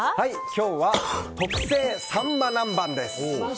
今日は、特製サンマ南蛮です。